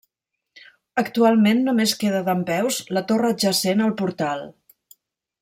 Actualment només queda dempeus la torre adjacent al portal.